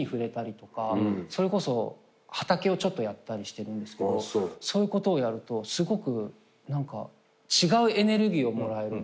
それこそ畑をちょっとやったりしてるんですけどそういうことをやるとすごく何か違うエネルギーをもらえる。